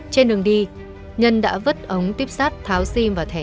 trên đường đi nhân đã vứt ống tuyếp sắt tháo sim và thẻ nhỏ